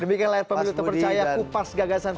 demikian layar pemilu terpercaya kupas gagasan